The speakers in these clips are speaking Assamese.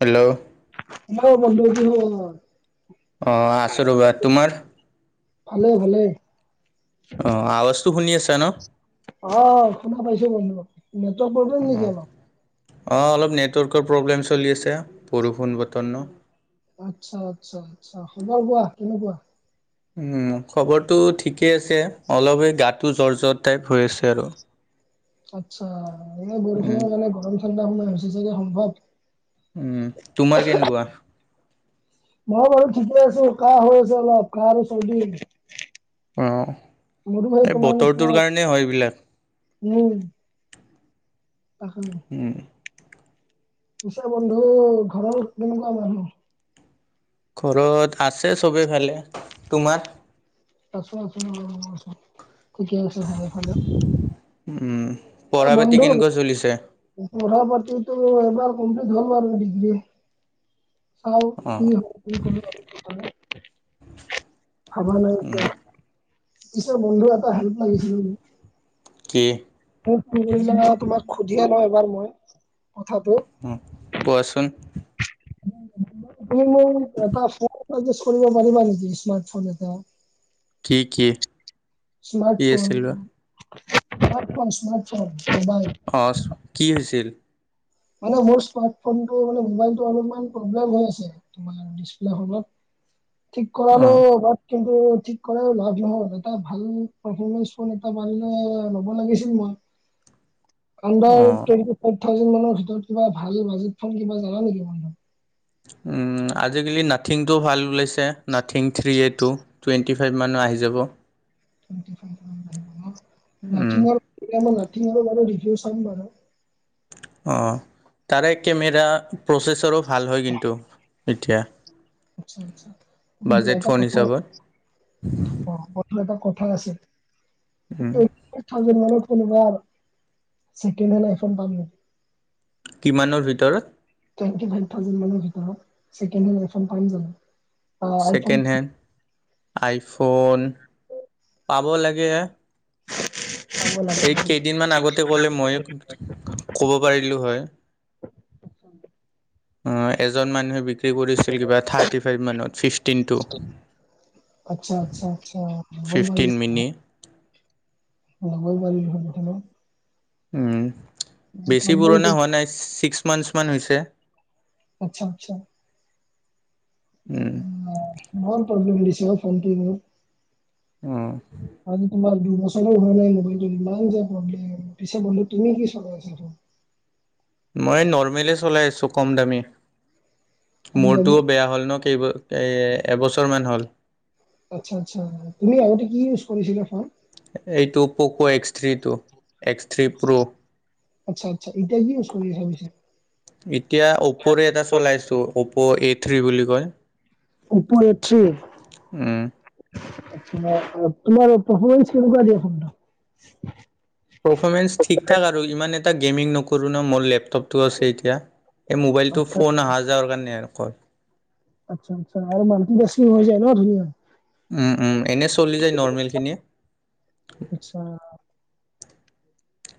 হেল্ল' অ 'বন্ধু কি খবৰ। অ' আছোঁ ৰ'বা তোমাৰ, ভালে ভালে অ আ টো শুনি আছা ন। অ' শুনা পাইছো বন্ধু, নেটৱৰ্ক প্ৰব্লেম নেকি অলপ। অ' অলপ নেটৱৰ্কৰ প্ৰব্লেম চলি আছে বৰষুণ বতৰ ন। আচ্ছা, আচ্ছা, আচ্ছা, খবৰ কোৱা কেনেকুৱা? উম খবৰটো ঠিকেই আছে অলপ এই গাটো জ্বৰ জ্বৰ টাইপ হৈ আছে আৰু। আচ্ছা এ উম বৰষুণৰ কাৰণে গৰম ঠাণ্ডা সোমাই হৈছে চাগে সম্ভৱ। উম তোমাৰ কেনেকুৱা? মই বাৰু ঠিকে আছো কাহ হৈ আছে অলপ কাহ আৰু চৰ্দি। অ' মোৰো সেই এই তোমাৰ নিচিনা বতৰটোৰ কাৰণেই হয় এইবিলাক। উম। [unintelligible] উম। পিছে বন্ধু ঘৰৰ কেনেকুৱা মানুহ ঘৰত আছে চবেই ভালে। তোমাৰ? আছো, আছো [unintelligible] ঠিকে আছে, ভালে, ভালে। উম, পঢ়া-পাতি কেনেকুৱা চলিছে? পঢ়া-পাতিতো, এবাৰ কমপ্লিট হ'ল বাৰু ডিগ্ৰী। অঁ [unintelligible] ভাবা নাই উম, এতিয়া। পিছৰ বন্ধু এটা হেল্প লাগিছিলে মোক। কি? [unintelligible] তোমাক সুধিয়ে লওঁ এবাৰ মই কথাটো। কোৱাচোন। তুমি মোক এটা ফোন [unintelligible] কৰিব পাৰিবা নেকি, স্মাৰ্ট ফোন এটা। কি, কি? কি স্মাৰ্ট ফোন, আছিল বা smart phone, smart phone, mobile. অ, কি হৈছিল? মানে মোৰ স্মাৰ্ট ফোনটো মানে মোবাইলতটো অলপমান প্ৰব্লেম হৈ আছে। তোমাৰ ডিছপ্লে খনত, ঠিক কৰালো অঁ এবাৰ। কিন্তু ঠিক কৰাইও লাভ নহ'ল, এটা ভাল পাৰফৰ্মেঞ্চ ফোন এটা মানে ল'ব লাগিছিল মই। [inaudible] আন্দাৰ অ', টুৱেন্টি ফাইভ থাউজেণ্ড মানৰ ভিতৰত কিবা ভাল বাজেট ফোন কিবা জানা নেকি? আজিকালি নাথিংটোও ভাল ওলাইছে, nothing three A two. Twenty five মানত আহি যাব। উম, নথিংঙৰ, এতিয়া মই নথিংঙৰ বাৰু ৰিভিউ চাম বাৰু। অঁ, তাৰে কেমেৰা, প্ৰচেছৰো ভাল হয় কিন্তু এতিয়া। আচ্ছা, আচ্ছা, বাজেট [unintelligible] এটা ফোন কথা হিচাপত অ, [unintelligible] এটা কথা আছে, উম, এই থাউজেণ্ড কোনোবা ছেকেণ্ড হেন আইফন পাম নাই? কিমানৰ ভিতৰত? টুৱেন্টি ফাইভ থাউজেণ্ড মানৰ ভিতৰত, ছেকেণ্ড হেন আই ফোন পাম জানো? অ আইফোন ছেকেণ্ড হেণ্ড আইফোন, পাব লাগে। চাব লাগে এই, নেকি? কেইদিনমান আগতে ক'লে ময়ে ক'ব পাৰিলো হয়, আহ, এজন মানুহে বিক ক্ৰী কৰিছিল কিবা থাৰ্টি ফাইভ মানত, ফিফটিন টু। আচ্ছা, আচ্ছা। ল'ব‌ই ফিফটিন পাৰিলো মিনি [unintelligible] ল'বই পাৰিলো হয় ন। উম, বেছি প্ৰব্লেম পুৰণা হোৱা নাই, ছিক্স মান্থছমান হৈছে। আচ্ছা, আচ্ছা। উম, অ, ইমান প্ৰব্লেম দিছে অ, ফনটোৱে মোৰ। উম। আজি তোমাৰ দুবছৰো হোৱা নাই মোবাইলটো, ইমান যে প্ৰব্লেম। পিছে বন্ধু তুমি কি চলাই আছা এইটো? মই নৰ্মেলে চলাই আছো, কম দামী। কম দামী? মোৰতো বেয়া হ'ল ন, কেইব এ এবছৰমান হ'ল। আচ্ছা, আচ্ছা। তুমি আগতে কি ইউজ কৰিছিলা ফোন? এইটো Poco X three two, X three pro. আচ্ছা, আচ্ছা। এতিয়া কি ইউজ কৰিম ভাবিছা? এতিয়া অপ'ৰে এটা চলাইছো, অপ' এ থ্ৰী বুলি কয়। অপ' এ থ্ৰী। উম, তোমাৰ পাৰ্ফৰমেন্স কেনেকুৱা দিয়ে ফোনটো? পৰ্ফৰমেন্স ঠিক ঠাক আৰু ইমান এটা গেমিং নকৰোঁ ন, মোৰ লেপটপটো আছে এতিয়া। এই মোবাইল টো আচ্ছা ফোন আহা যোৱাৰ কাৰণে আৰু অকল। আৎচ্ছা আৎচ্ছা আৰু মাল্টিটাস্কিং হৈ যায় ন ধুনীয়াকে। উম' উম' এনেই চলি যায় নৰ্মেলখিনিয়ে। আৎচ্ছা।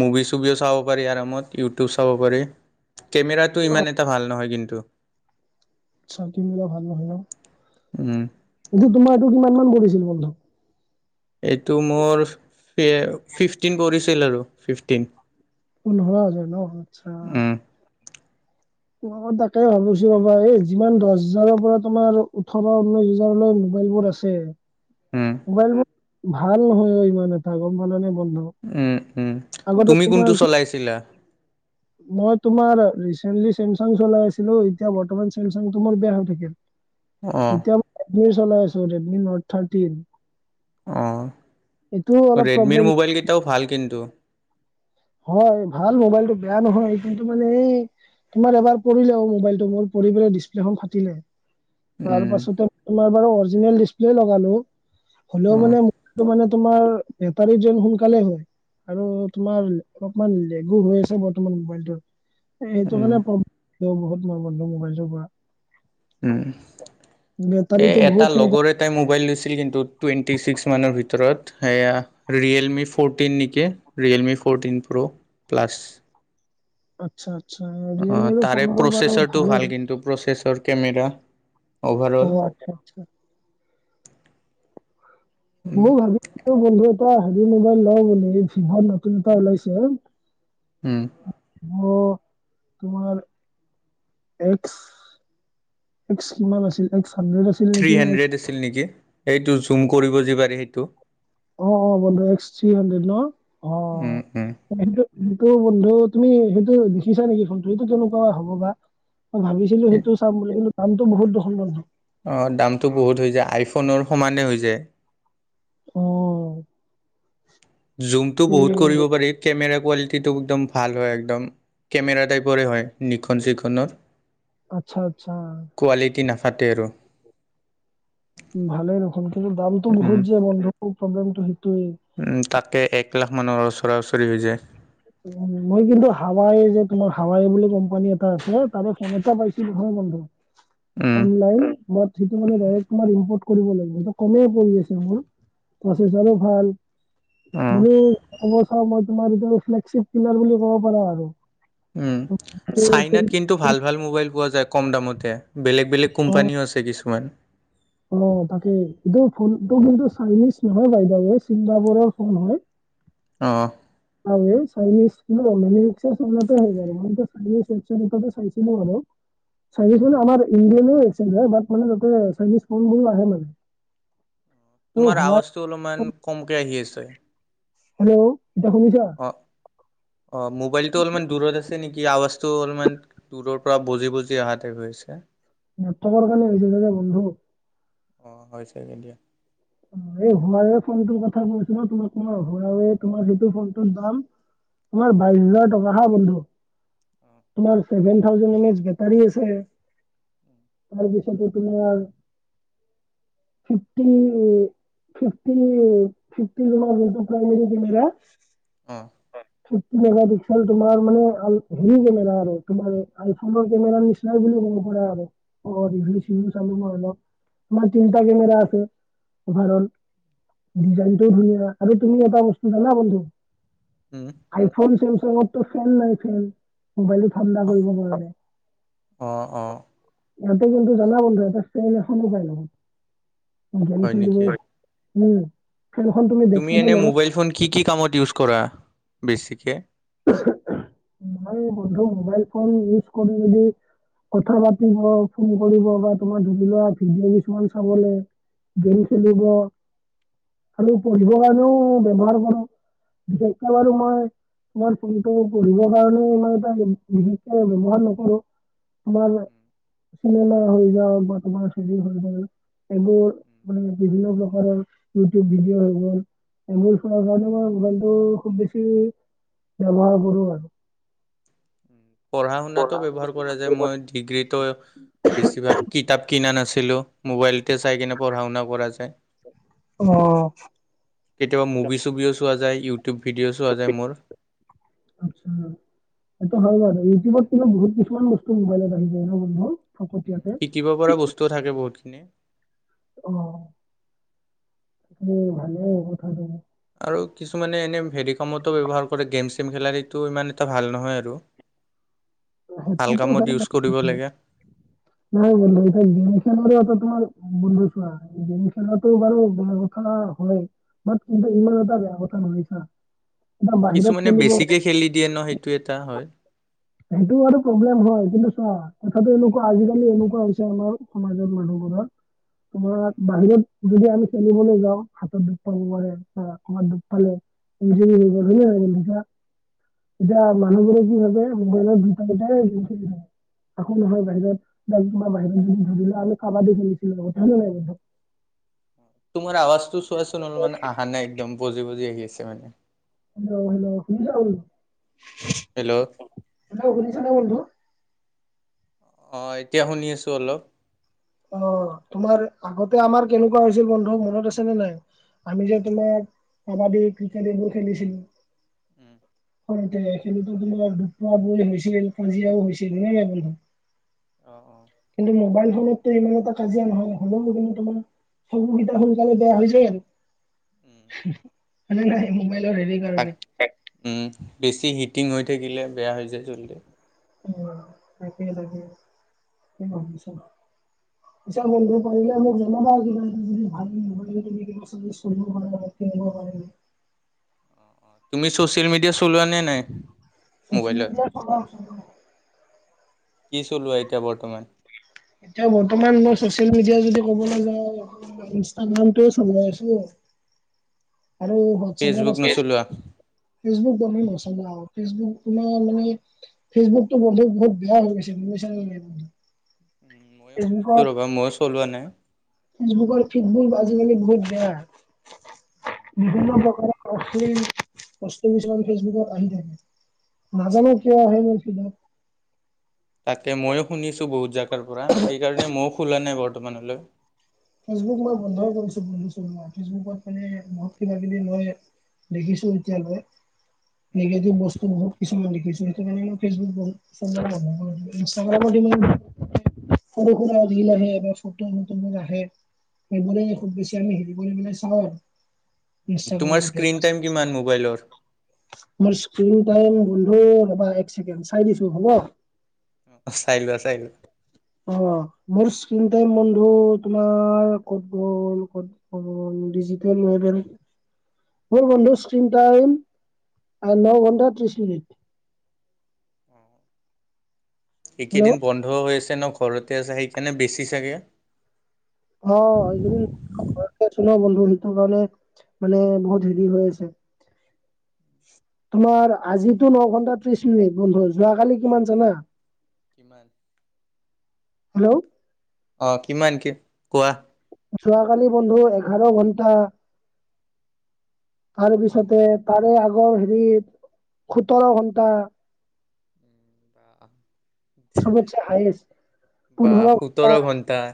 মুভি চুভিও চাব পাৰি আৰমত ইউটিউব চাব পাৰি। কেমেৰাটো ইমান এটা ভাল নহয় কিন্তু। চান টি মিৰা ভাল নহয় ন। উম'। এইটো তোমাৰ এইটো কিমান মান পৰিছিল বন্ধু? এইটো মোৰ ফি এ ফিফটিন পৰিছিল আৰু ফিফটিন। পোন্ধৰ হাজাৰ ন, আৎচ্ছা। উম ত মই তাকে ভাবিছো ৰবা এই যিমান দচ হাজাৰৰ পৰা তোমাৰ আৰু ওঠৰ ঊনৈশ হাজাৰলৈ মোবাইল বোৰ আ- ছে উম মোবাইল বোৰ ভাল নহয় অও ইমান এটা, গম পালানে বন্ধু? উম' উম' আগতে তুমি তোমাৰ কোনটো কি চলাইছিলা? মই তোমাৰ ৰিচেন্টলি ছেমছাং চলাই আছিলো, এতিয়া বৰ্তমান ছেমছাংটো মোৰ বেয়া হৈ থাকিল। অ এতিয়া ম ৰেডমি চলাই আছো, ৰেডমি নট থাৰ্টিন। এইটোও অঁ অলপ ৰেডমিৰ প্ৰব্লেম মোবাইলগেইটাও ভাল কিন্তু। হয়, ভাল মোবাইলটো বেয়া নহয় কিন্তু মানে এই- তোমাৰ এবাৰ পৰিলে অও মোবাইলটো, মোৰ পৰি পেলাই ডিছপ্লে খন ফাটিলে। তাৰ উম পাছতে তোমাৰ বাৰু অৰিজিনেল ডিচপ্লে লগালো। হ'লেও অ মানে মোকটো মানে তোমাৰ- বেতাৰী যন সোনকালে হয়, আৰু তোমাৰ- অলপমান লেগু হৈ আছে বৰ্তমান মোবাইলটোৰ। এ সেইটো উম কাৰণে প্ৰব্লেম বহুত মোৰ বন্ধু মোবাইলটোৰ পৰা। উম'। এ বেটাৰীটো এটা বহুত সোনকালে লগৰে এটাই মোবাইল লৈছিল কিন্তু টুৱেণ্টি ছিক্স মানৰ ভিতৰত। সেয়া ৰিয়েলমি ফ'ৰটিন নেকি, ৰিয়েলমি ফ'ৰটিন প্ৰ'ৰ প্লাছ। আৎচ্ছা আৎচ্ছা। অঁ তাৰে প্ৰচেছৰটো ভাল কিন্তু প্ৰচেছৰ কেমেৰা। অভাৰঅল অঁ আৎচ্ছা আৎচ্ছা। মৌ ভাবিছিলো বন্ধু এটা হেৰি মবাইল ল বুলি ভিভ নতুন এটা ওলাইছে- উম'। ভিভ তোমাৰ এক্স- এক্স কিমান আছিল এক্স হান্দ্ৰেড আছিল- থ্ৰী নেকি নে এক্স এণ্ড্ৰেড আছিল নেকি এইটো জুম কৰিব যে পাৰি সেইটো। অঁ অঁ বন্ধু এক্স থ্ৰী হাণ্ডেদ ন? অঁ উম উম সেইটো- সেইটো বন্ধু তুমি সেইটো দেখিছা নেকি ফোনটো হেটো কেনেকুৱা হ'ব বা? মই ভাবিছিলো সেইটো চাম বুলি, কিন্তু দামটো বহুত দেখোন বন্ধু। অঁ দামটো বহুত হৈ যায়, আইফোনৰ সমানে হৈ যায়। অঁ'। জুমটো বহুত কৰিব পাৰি কেমেৰা কোৱালিটিটো একদম ভাল হয় একদম। কেমেৰা টাইপৰে হয়, নিখন চিখনৰ। আৎচ্ছা আৎচ্ছা। কোৱালিটি নাফাটে আৰু। ভালে আৰু ফোনটো কিন্তু দামটো উম বহুত যে বন্ধু মোৰ প্ৰব্লেমটো সেইটোৱেই। তাকে, এক লাখ মানৰ ওচৰা-ওচৰি হৈ যায়। মই কিন্তু হাৱাই যে তোমাৰ হাৱাই বুলি কোম্পানী এটা আছে তাৰে ফোন এটা পাইছিলো বন্ধু। [unintelligible] অনলাইন সেইটো মানে তোমাৰ ইম্পৰ্ট কৰিব লাগিব কমে পৰি যায় ফোনটো। প্ৰচেছৰো ভাল। অঁ বুলি ক'ব চাওঁ মই তোমাৰ এ ফ্লেকছিপ বুলি ক'ব পাৰা আৰু। উঅঁ, ত' ত' চাইনাত কিন্তু- টো ভাল-ভাল মোবাইল পোৱা যায় কম দামতে বেলেগ-বেলেগ কোম্পানীও আছে কিছুমান। অঁ' তাকে, এইটো ফোনটো কিন্তু চাইনিজ নহয় বাইদেউএই ছিংগাপুৰৰ ফোন হয়। অঁ', -অঁহ'। [unintelligible] চাইনিজ মানে আমাৰ ইংলেণ্ডও এক্সজেক হয়, বা মানে তা'তে চাইনিজ ফোনবোৰো আহে মানে। ত' তোমাৰ হোৱাই আৱাজটো অলপমান কমকে আহি আছে। হেল্ল' এতিয়া শুনিছা? অ', অ' মোবাইলটো অলপমান দূৰত আছে নেকি আৱাজটো অলপমান- দূৰৰ পৰা বজি-বজি অহা টাইপ হৈ আছে। নেটৱৰ্কৰ কাৰণে হৈছে চাগে বন্ধু। অ' হয় চাগে দিয়া। অ' এই হৱে ফোনটোৰ কথা কৈছ ন' তোমাক মোৰ হে তোমাৰ যিটো ফোনটোৰ দাম- তোমাৰ বাইশ হাজাৰ টকা হাঁ বন্ধু, তোমাৰ ছেভেন থাউজেণ্ড মেইছ বেটাৰী আছে। তাৰপিছতে তোমাৰ ফিফ্টিন- এই ফিফ্টিন এই ফিফ্টিন [unintelligible] হয়। অ মেগ পিক্সেল তোমাৰ মানে হেৰি কেমেৰা আৰু তোমাৰ আইফনৰ কেমেৰা নিচিনাই বুলি ক'ব পাৰা আৰু। অ'হ, ৰিভিউ-চিভিউ চালো মই অলপ আমাৰ তিনিটা কেমেৰা আছে। উদাহৰণ-ডিজাইনটোও ধুনীয়া। আৰু তুমি এটা বস্তু জানা বন্ধু? উ'ম। আইফোন, চোমচাংৰ তো ফোন নাই ফোন। মোবাইলতো ঠাণ্ডা কৰিব পাৰিব লাগে। অ অ ইহঁতে কিন্তু জানা বন্ধ ইহঁতে চব এখনো পাই নহয়। গেম হয় খেলিব, নেকি উ'ম' খেলখন তুমি দেখিছা নে এনে লগত। মোবাইল ফোন কি কি কামত ইউজ কৰা বেছিকে? মই বন্ধু মোবাইল ফোন ইউজ কৰো যদি- কথা পাতিব হওঁক ফোন কৰিব বা তোমাৰ ধৰি লোৱা ভিডিঅ কিছুমান চাবলৈ- গেম খেলিব। খালি পঢ়িবৰ কাৰণেও ব্যৱহাৰ কৰোঁ। বিশেষকে বাৰু মই- তোমাৰ ফোনটো পঢ়িবৰ কাৰণেও মই এটা বিশেষকে ব্যৱহাৰ নকৰোঁ। তোমাৰ চিনেমা হৈ যাওঁক বা তোমাৰ চেৰি হৈ যাওঁক। এইবোৰ মানে বিভিন্ন প্ৰকাৰৰ ইউটিউব ভিডিঅ' হৈ গ'ল। এইবোৰ সোমাই যাওঁতে মোৰ মোবাইলটো খুব বেছি- ব্যৱহাৰ কৰো আৰু। পঢ়া-শুনাটো ব্যৱহাৰ কৰা যায় যে মই ডিগ্ৰীটো বেছিভাগ কিতাপ কিনা নাছিলোঁ, মোবাইলতে চাই কিনে পঢ়া-শুনা কৰা যায়। আৰু। অ। কেতিয়াবা মুভি-চুভিও চোৱা যায়, ইউটিউব ভিডিঅ' চোৱা যায় মোৰ। আচ্ছা এইটো হয় বাৰু আৰু ইউটিউবত কিন্তু বহুত কিছুমান বস্তু মোবাইলত আহি যায় ন বন্ধু। উম ফকতীয়াকে। শিকিব পৰা বস্তু থাকে বহুতখিনি। অ এই ভালেই কথাটো। আৰু কিছুমানে এনে হেৰি কামতো ব্যৱহাৰ কৰে, গেম, চেম খেলাৰ সেইটো ইমান এটা ভাল নহয় আৰু। ভাল সেইটোতো কামত ইউজ বাৰু। কৰিব লাগে। হয় বন্ধু এতিয়া গেম খেলৰে এটা তোমাৰ বন্ধু চোৱা গেম খেলাটো বাৰু বেয়া কথা হয় বাত কিন্তু ইমান এটা বেয়া কথা নহয় চা উম এতিয়া বাহিৰত কিছুমানে খেলিব বেছিকে খেলি দিয়ে ন সেইটো এটা হয়। সেইটো বাৰু প্ৰব্লেম হয় কিন্তু চোৱা। কথাটো এনেকুৱা আজিকালি এনেকুৱা হৈছে, আমাৰ সমাজত মানুহবোৰৰ তোমাৰ উম, বাহিৰত যদি আমি খেলিবলৈ যাওঁ হাতত দুখ পাব পাৰে। আ কৰবাত দুখ পালে, ইনজোৰি হৈ গ'ল উম। হ'য়নে নহয় বন্ধু কোৱা এতিয়া মানুহবোৰে কি ভাবে মোবাইলত [unintelligible] একো নহয় বাহিৰত বা কোনোবা বাহিৰত যদি ধৰি লও আমি কাবাডী খেলিছিলো বুজিছ নাই বন্ধু তোমাৰ আৱাজটো চোৱাচোন অলপমান আহা নাই একদম বজি বজি আহি আছে মানে। হেল্ল' হেল্ল' শুনিছা বোলো হেল্ল'। হেল্ল ' শুনিছানে বন্ধু অ এতিয়া শুনি আছো অলপ। অ তোমাৰ আগতে আমাৰ কেনেকুৱা হৈছিল বন্ধু মনত আছেনে নাই আমি যে তোমাৰ কাবাডী ক্ৰিকেট এইবোৰ খেলিছিলো। উ'ম। সৰুতে খেলোতো কোনোবাই দুখ পোৱা পোৱি হৈছিল কাজিয়াও হৈছিল হয় নাই বন্ধু। অ অ কিন্তু মোবাইল ফোনত ইমান এটা কাজিয়া নহয় হলো কিন্তু তোমাৰ চকুকেইটা সোনকালে বেয়া হৈ যায় আৰু। উম, হেহ হয় নে নাই মোবাইলৰ হেৰি তাক কাৰণে। উম, বেছি হিটিং হৈ থাকিলে বেয়া হৈ যায় জল্ডি উম তাকে তাকে তাকেই ভাবিছো [inaudible] পূজা বন্ধ পাৰিলে মোক জনাবা কিবা এটা যদি ভাল [unintelligible] কিনিব পাৰিলে তুমি চ'চিয়েল মিডিয়া চলোৱা নে নাই চচিয়েল মোবাইলত মিডিয়া চলাও চলাও কি চলোৱা এতিয়া বৰ্তমান এতিয়া বৰ্তমান মই চচিয়েল মিডিয়া যদি কবলৈ যাওঁ ইনষ্টাগ্ৰামটোও চলাই আছো আৰু হোৱাটছএপত ফেচবুক আছো ঠিকে আছে নচলোৱা? ফেচবুক বৰকে নচলাও ফেচবুক তোমাৰ মানে ফেচবুকটো বন্ধ বহুত বেয়া হৈ গৈছে বুজি পাইছা নে নাই মইয়ো শুনিছোঁ ফেচবুকত ৰ'বা মইয়ো চলোৱা নাই ফেচবুকৰ ফিডবুৰ আজিকালি বহুত বেয়া। বিভিন্ন প্ৰকাৰৰ অচশ্লিল অচশ্লিল কিছুমান ফেচবুকত আহি থাকে। নাজানো কিয় আহে মোৰ ফিল্ডত তাকে ময়ো শুনিছো বহুত জেগাৰ পৰা সেইকাৰণে মইয়ো খোলা নাই বৰ্তমানলৈ। ফেচবুক মই বন্ধ কৰিছো বন্ধু চলোৱা ফেচবুকত মানে বহুত কিবা-কিবি মই দেখিছো এতিয়ালৈ নিগেটিভ বস্তু বহুত কিছুমান দেখিছোঁ সেইটো কাৰণে মই ফেচবুক বন্ধ ইনষ্টাগ্ৰাম বন্ধ কৰি দিলোঁ, ইনষ্টাগ্ৰামত সিমান [unintelligible] [unintelligible] সেইবোৰে খুব বেছি আমি হেৰি কৰি পেলাই চাওঁ আৰু ইনষ্টাগ্ৰামটোতে। ইমান মোবাইলৰ। মোৰ স্ক্ৰীন টাইম বন্ধু ৰ'বা এক চেকেণ্ড চাই দিছো হ'ব? অ', চাই লোৱা, চাই লোৱা। অ', মোৰ স্কিন টাইম বন্ধু তোমাৰ ক'ত গ'ল, ক'ত গ'ল, ডিজিটেল [unintelligible] মোৰ বন্ধু স্ক্ৰীন টাইম ন ঘন্টা ত্ৰিশ মিনিট। হেল্ল' এইকেইদিন বন্ধ হৈ আছে ন', ঘৰতে আছা, সেইকাৰণে বেছি চাগে! অ', এইকেইদিন ঘৰতে আছো ন' বন্ধু সেইটো কাৰণে মানে বহুত হেৰি হৈ আছে। তোমাৰ আজিতো ন ঘন্টা ত্ৰিশ মিনিট বন্ধু, যোৱাকালি কিমান জানা? কিমান? হেল্ল'? অ', কিমান কি কোৱা? যোৱাকালি বন্ধু এঘাৰ ঘন্টা, অ তাৰ অ পিছতে তাৰে আগৰ হেৰিত সোতৰ ঘন্টা। উম বা চবতচে হায়েষ্ট বা পোন্ধৰ ঘন্টা সোতৰ ঘণ্টা?